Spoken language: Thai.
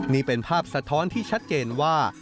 นี่เป็นภาพสะท้อนที่ชัดเจนว่า